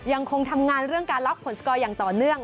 ยังคงทำงานเรื่องการล็อกผลสกอร์อย่างต่อเนื่อง